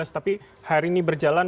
tapi hari ini berjalan